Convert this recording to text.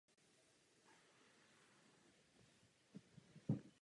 Je zalesněný a nevede na něj žádná cesta.